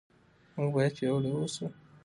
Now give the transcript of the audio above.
موږ باید پیاوړي اوسو.